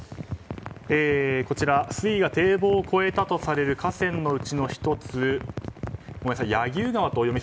こちら、水位が堤防を超えたとされる河川の１つ柳生川。